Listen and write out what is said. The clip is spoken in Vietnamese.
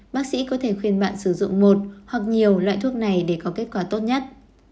bác sĩ có thể khuyên bạn sử dụng một hoặc nhiều loại thuốc này để có kết quả tốt nhất